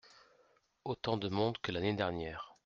Autant de monde que l’année dernière.